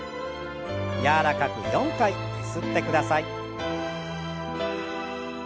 柔らかく４回ゆすってください。